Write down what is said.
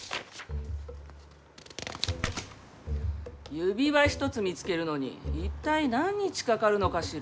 指輪一つ見つけるのに一体何日かかるのかしら。